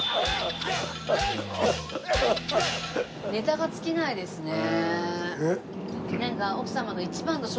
ネタが尽きないですね。